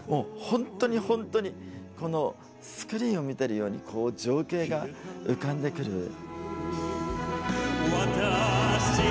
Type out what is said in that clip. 本当に本当にこのスクリーンを見るように情景が浮かんでくる。